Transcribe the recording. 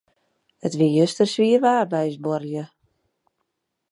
It wie juster swier waar by ús buorlju.